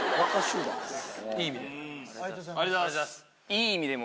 いい意味で。